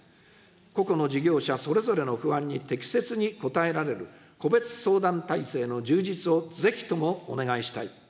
個々の事業者それぞれの不安に適切に応えられる個別相談体制の充実をぜひともお願いしたい。